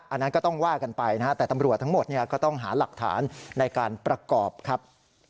อันนั้นก็ต้องว่ากันไปนะฮะแต่ตำรวจทั้งหมดก็ต้องหาหลักฐานในการประกอบครับ